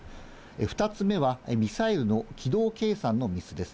２つ目はミサイルの軌道計算のミスです。